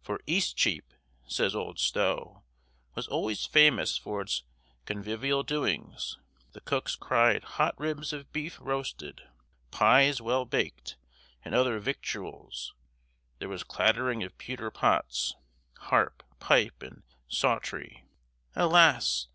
For Eastcheap, says old Stow, "was always famous for its convivial doings. The cookes cried hot ribbes of beef roasted, pies well baked, and other victuals: there was clattering of pewter pots, harpe, pipe, and sawtrie." Alas!